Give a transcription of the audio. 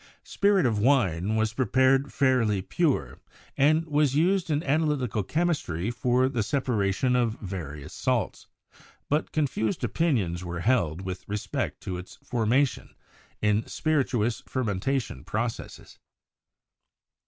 Spirit of wine was prepared fairly pure, and was used in analytical chemistry for the separation of various salts, but confused opinions were held with respect to its forma tion in spirituous fermentation processes.